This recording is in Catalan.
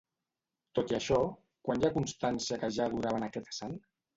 Tot i això, quan hi ha constància que ja adoraven a aquest sant?